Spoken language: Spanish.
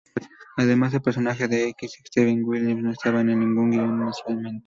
Además, el personaje de X —Steven Williams— no estaba en el guion inicialmente.